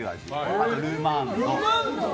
あとルマンド。